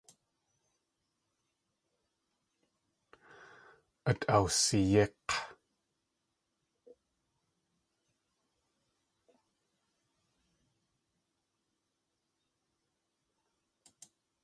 Át awsiyík̲.